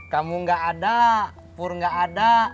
kamu nggak ada pur nggak ada